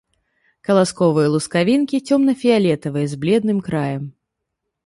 Каласковыя лускавінкі цёмна-фіялетавыя, з бледным краем.